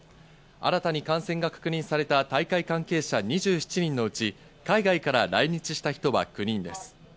新たに感染が確認された大会関係者２７人のうち、海外から来日した人は９人です。